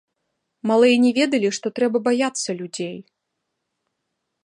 Малыя не ведалі, што трэба баяцца людзей.